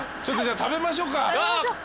ちょっとじゃあ食べましょうか。